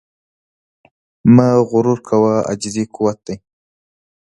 مه غرور کوه، عاجزي قوت دی.